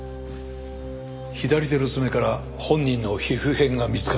左手の爪から本人の皮膚片が見つかった。